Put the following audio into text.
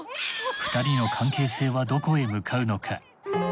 ２人の関係性はどこへ向かうのか？